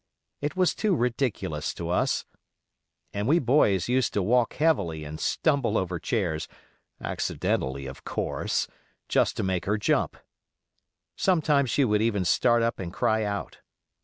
It was too ridiculous to us, and we boys used to walk heavily and stumble over chairs—"accidentally", of course—just to make her jump. Sometimes she would even start up and cry out.